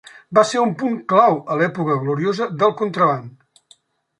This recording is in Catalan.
Va ser un punt clau a l'època gloriosa del contraban.